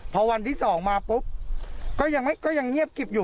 พอวันที่สองมาปุ๊บก็ยังไม่ก็ยังเงียบกิบอยู่